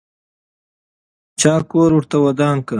چا کور ورته ودان کړ؟